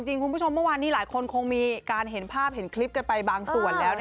คุณผู้ชมเมื่อวานนี้หลายคนคงมีการเห็นภาพเห็นคลิปกันไปบางส่วนแล้ว